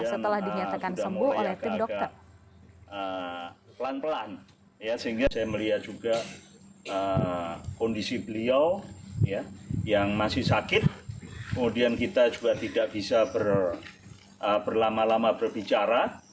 setelah dinyatakan sembuh oleh tim dokter